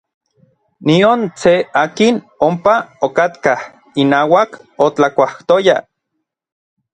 Nion se akin ompa okatkaj inauak otlakuajtoyaj.